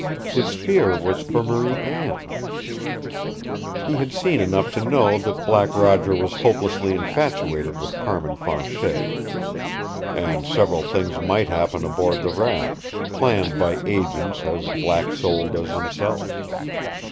His fear was for Marie Anne. He had seen enough to know that Black Roger was hopelessly infatuated with Carmin Fanchet. And several things might happen aboard the raft, planned by agents as black souled as himself.